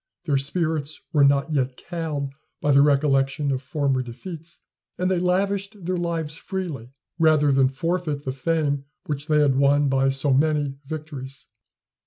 Their spirits were not yet cowed by the recollection of former defeats; and they lavished their lives freely, rather than forfeit the fame which they had won by so many victories.